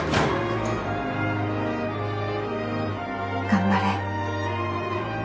頑張れ。